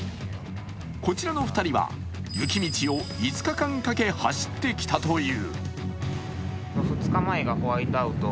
こちらの２人は雪道を５日間かけ走ってきたという。